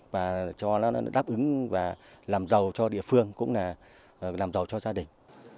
và cho nó đáp ứng và làm giàu cho địa phương cũng là làm giàu cho gia đình